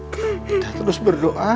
kita terus berdoa